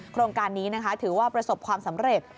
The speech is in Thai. โครงการนี้นะคะถือว่าประสบความสำเร็จ